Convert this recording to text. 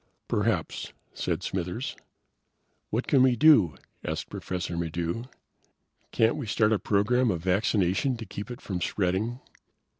"Perhaps," said Smithers. "What can we do?" asked Professor Maddox. "Can't we start a program of vaccination to keep it from spreading?"